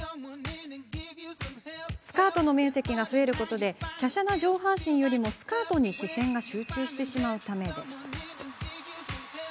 スカートの面積が増えることできゃしゃな上半身よりもスカートに視線が集中してしまうためです。